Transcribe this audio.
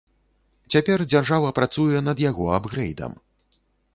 Цяпер дзяржава працуе над яго апгрэйдам.